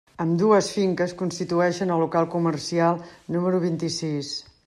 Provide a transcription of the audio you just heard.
Ambdues finques constitueixen el local comercial número vint-i-sis.